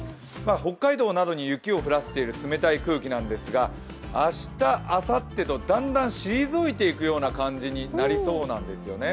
北海道などに雪を降らせている冷たい空気なんですが明日、あさってとだんだん退いていくような感じになりそうなんですよね。